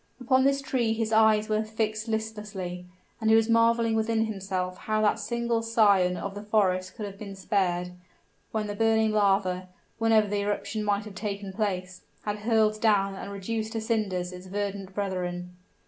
Upon this tree his eyes were fixed listlessly, and he was marveling within himself how that single scion of the forest could have been spared, when the burning lava, whenever the eruption might have taken place, had hurled down and reduced to cinders its verdant brethren.